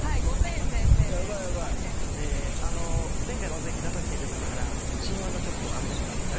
であの前回の「オドぜひ」出させていただいてから新技ちょっと編み出したので。